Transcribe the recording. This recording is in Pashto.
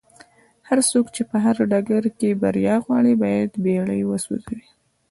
هرڅوک چې په هر ډګر کې بريا غواړي بايد بېړۍ وسوځوي.